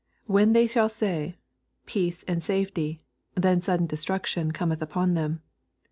" When they shall say, Peace and safety ; then sudden destruc tion Cometh upon them."